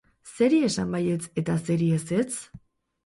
Zeri esan baietz eta zeri ezetz?